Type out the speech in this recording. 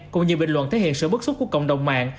cũng như bình luận thể hiện sự bức xúc của cộng đồng mạng